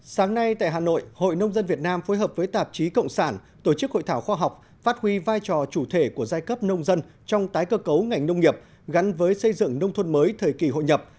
sáng nay tại hà nội hội nông dân việt nam phối hợp với tạp chí cộng sản tổ chức hội thảo khoa học phát huy vai trò chủ thể của giai cấp nông dân trong tái cơ cấu ngành nông nghiệp gắn với xây dựng nông thôn mới thời kỳ hội nhập